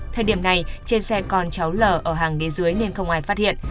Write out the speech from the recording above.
thời điểm này trên xe còn cháu lở ở hàng ghế dưới nên không ai phát hiện